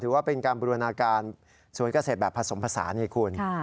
ถือว่าเป็นการบูรณาการสวนเกษตรแบบผสมผสานไงคุณ